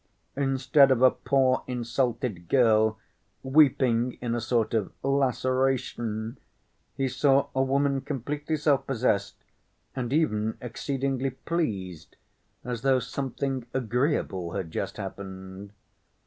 Instead of a poor, insulted girl, weeping in a sort of "laceration," he saw a woman completely self‐ possessed and even exceedingly pleased, as though something agreeable had just happened.